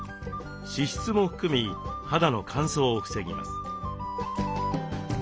脂質も含み肌の乾燥を防ぎます。